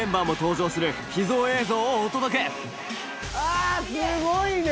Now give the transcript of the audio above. ああっすごいね！